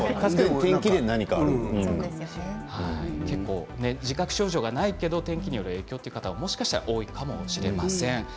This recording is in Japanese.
結構、自覚症状がないけれど、天気による影響はもしかしたらあるのかもしれません。